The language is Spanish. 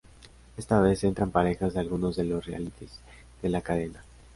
Esta vez, entran parejas de algunos de los realities de la cadena.